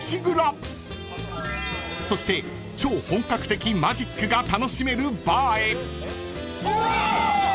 ［そして超本格的マジックが楽しめるバーへ］